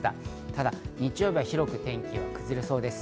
ただ日曜日は広く天気が崩れそうです。